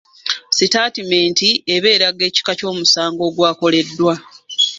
Sitaatimenti eba eraga ekika ky'omusango ogwakoleddwa.